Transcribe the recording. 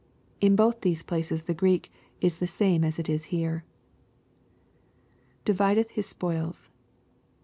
In both these places the Greek is the same as it is here. [Divideth his spoils.